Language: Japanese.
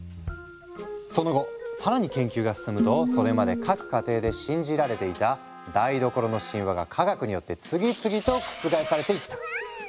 その後更に研究が進むとそれまで各家庭で信じられていた台所の神話が科学によって次々と覆されていった。